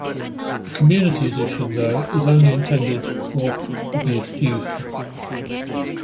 The "community edition" though is only intended for hobbyist use.